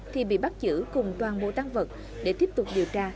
thì bị bắt giữ cùng toàn bộ tăng vật để tiếp tục điều tra